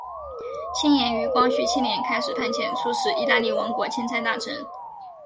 清廷于光绪七年开始派遣出使意大利王国钦差大臣。